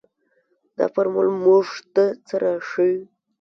دا فارمول موږ ته څه راښيي.